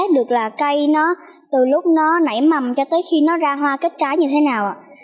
được là cây nó từ lúc nó nảy mầm cho tới khi nó ra hoa kết trái như thế nào ạ